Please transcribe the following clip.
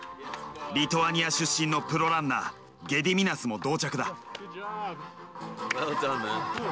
リトアニア出身のプロランナーゲディミナスも同着だ。